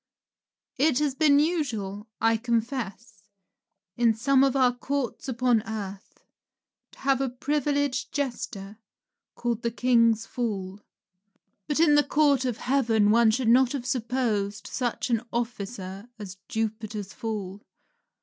It has been usual, I confess, in some of our Courts upon earth, to have a privileged jester, called the king's fool. But in the Court of Heaven one should not have supposed such an officer as Jupiter's fool.